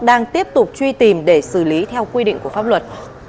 đang tiếp tục truy tìm để xử lý theo quy định của pháp luật